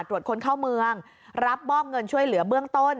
ตรวจคนเข้าเมืองรับมอบเงินช่วยเหลือเบื้องต้น